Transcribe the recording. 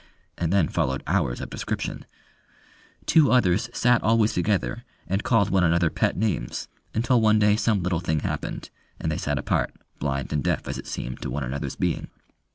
and then followed hours of description; two others sat always together, and called one another pet names, until one day some little thing happened, and they sat apart, blind and deaf as it seemed to one another's being.